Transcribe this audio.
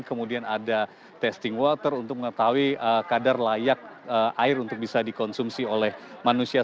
kemudian ada testing water untuk mengetahui kadar layak air untuk bisa dikonsumsi oleh manusia